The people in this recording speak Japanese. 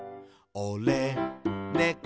「おれ、ねこ」